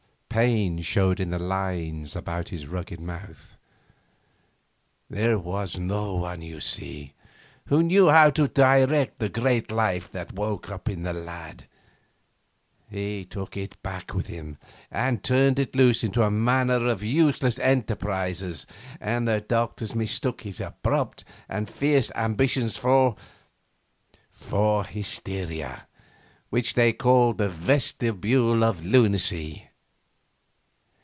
Pain showed in the lines about the rugged mouth. 'There was no one, you see, who knew how to direct the great life that woke in the lad. He took it back with him, and turned it loose into all manner of useless enterprises, and the doctors mistook his abrupt and fierce ambitions for for the hysteria which they called the vestibule of lunacy....